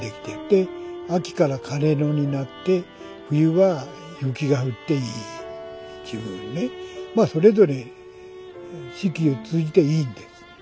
で秋から枯れ野になって冬は雪が降っていいっちゅうふうにねまあそれぞれ四季を通じていいんです。